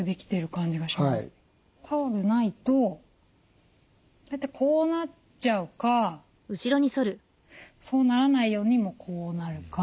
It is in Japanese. タオルないと大体こうなっちゃうかそうならないようにもうこうなるか。